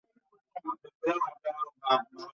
তিনি সিসিলির তাওরমিনায় আসেন।